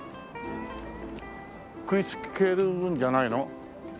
食いつけるんじゃないの？